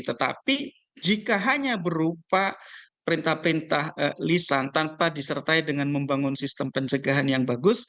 tetapi jika hanya berupa perintah perintah lisan tanpa disertai dengan membangun sistem pencegahan yang bagus